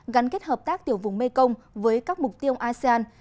gắn kết hợp tác tiểu vùng mekong với các mục tiêu asean